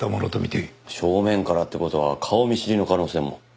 正面からって事は顔見知りの可能性も？